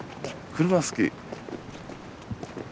車好き。